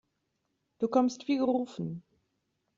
Du kommst wie gerufen.